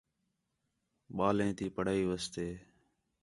ٻالیں تی پڑھائی واسطے